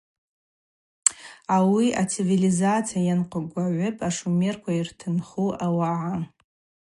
Ауи ацивилизация йанкъвгагӏвыпӏ ашумерква йыртынху ауагӏа.